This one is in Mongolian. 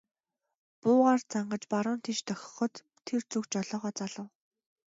Буугаар зангаж баруун тийш дохиход тэр зүг жолоогоо залав.